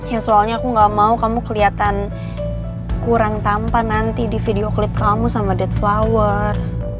ya soalnya aku gak mau kamu kelihatan kurang tampan nanti di video klip kamu sama dead flower